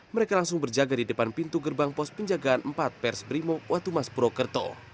mereka langsung berjaga di depan pintu gerbang pos penjagaan empat pers brimob watumas purwokerto